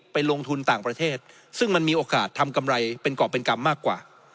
ไปลงทุนต่างประเทศซึ่งมันมีโอกาสทำกำไรเป็นกรอบเป็นกรรมมากกว่า